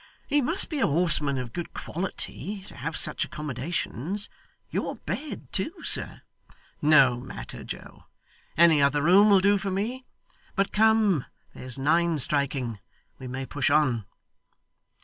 'He must be a horseman of good quality to have such accommodations. Your bed too, sir !' 'No matter, Joe. Any other room will do for me. But come there's nine striking. We may push on.